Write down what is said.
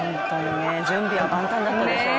準備は万端だったでしょうね。